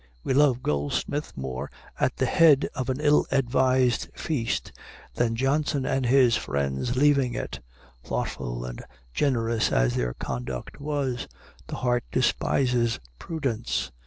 We love Goldsmith more at the head of an ill advised feast than Johnson and his friends leaving it, thoughtful and generous as their conduct was. The heart despises prudence.